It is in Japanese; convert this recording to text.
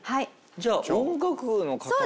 じゃあ音楽の方なんだ。